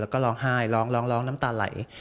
แล้วก็ร้องไห้ร้องร้องน้ำตาไหล